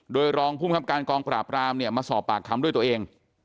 โดยรองภูมิครับการกองปราบรามเนี่ยมาสอบปากคำด้วยตัวเอง